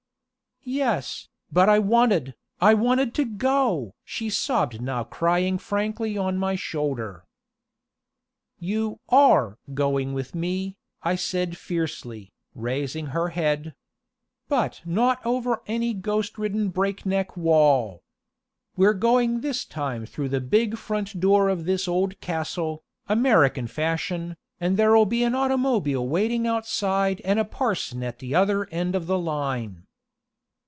"Yes, but I wanted, I wanted to go!" she sobbed now crying frankly on my shoulder. "You are going with me," I said fiercely, raising her head. "But not over any ghost ridden breakneck wall. We're going this time through the big front door of this old castle, American fashion, and there'll be an automobile waiting outside and a parson at the other end of the line."